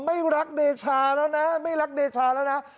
ไม่รักเดชาแล้วนะไม่รักเดชาแล้วนะ